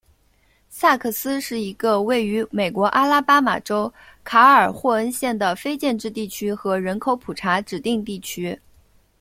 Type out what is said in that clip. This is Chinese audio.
萨克斯是一个位于美国阿拉巴马州卡尔霍恩县的非建制地区和人口普查指定地区。